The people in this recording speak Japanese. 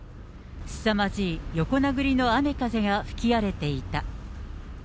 すさまじい横殴りの雨、風が吹き荒れていた。